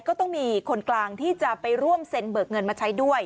ก็ต้องมีคนกลางที่จะไปร่วมเซ็นเบิกเงินมาใช้ด้วย